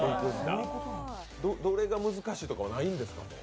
どれが難しいとかはないんですか？